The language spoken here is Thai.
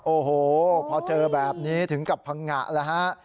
โอ้โหพอเจอแบบนี้ถึงกับพังงะแล้วฮะ